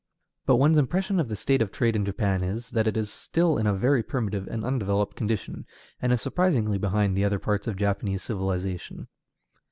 But one's impression of the state of trade in Japan is, that it is still in a very primitive and undeveloped condition, and is surprisingly behind the other parts of Japanese civilization.